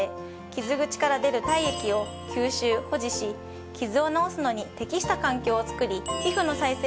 キズぐちから出る体液を吸収・保持しキズを治すのに適した環境をつくり。